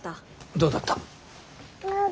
どうだった？